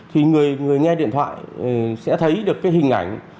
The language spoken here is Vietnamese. thì người nghe điện thoại sẽ thấy được cái hình ảnh